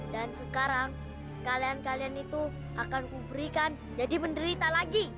dan sekarang kalian kalian itu akan kuperikan jadi penderita lagi